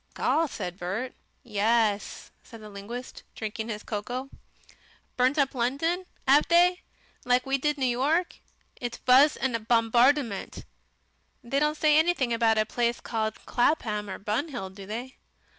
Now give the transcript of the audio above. "Gaw!" said Bert. "Yess," said the linguist, drinking his cocoa. "Burnt up London, 'ave they? Like we did New York?" "It wass a bombardment." "They don't say anything about a place called Clapham, or Bun Hill, do they?"